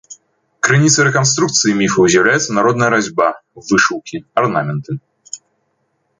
Крыніцай рэканструкцыі міфаў з'яўляецца народная разьба, вышыўкі, арнаменты.